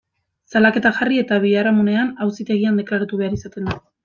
Salaketa jarri eta biharamunean, auzitegian deklaratu behar izaten da.